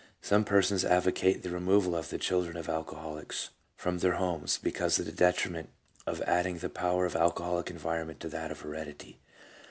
Some persons advocate the removal of the children of alco holics from their homes, because of the detriment of adding the power of alcoholic environment to that of heredity.